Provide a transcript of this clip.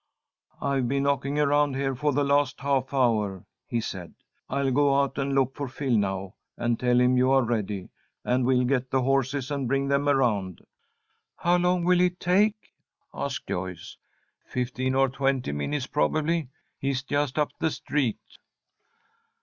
"I've been knocking around here for the last half hour," he said. "I'll go out and look for Phil now, and tell him you are ready, and we'll get the horses and bring them around." "How long will it take?" asked Joyce. "Fifteen or twenty minutes, probably. He's just up the street."